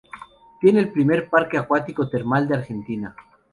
Tiene el primer parque acuático termal de Argentina.